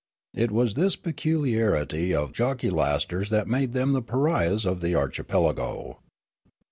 It was this peculiarity of the joculasters that made them the pariahs of the archipelago.